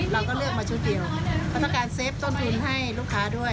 เราก็เลือกมาชุดเดียวเขาต้องการเซฟต้นทุนให้ลูกค้าด้วย